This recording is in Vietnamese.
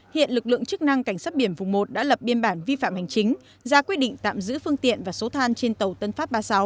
hiện lực lượng chức năng cảnh sát biển vùng một đã lập biên bản vi phạm hành chính ra quyết định tạm giữ phương tiện và số than trên tàu tân pháp ba mươi sáu